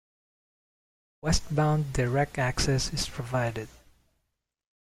Westbound, direct access is provided.